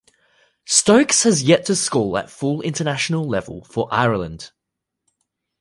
Stokes has yet to score at full international level for Ireland.